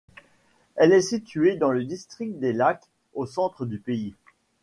Elle est située dans le District des Lacs, au centre du pays.